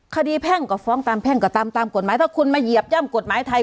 แพ่งก็ฟ้องตามแพ่งก็ตามตามกฎหมายถ้าคุณมาเหยียบย่ำกฎหมายไทย